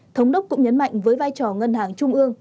thống đốc cũng nhấn mạnh với vai trò ngân hàng trung ương